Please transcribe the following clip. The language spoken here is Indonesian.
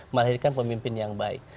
melahirkan pemimpin yang baik